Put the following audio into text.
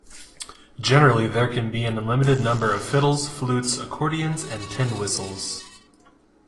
Generally there can be an unlimited number of fiddles, flutes, accordions and tin whistles.